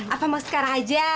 apa mau sekarang aja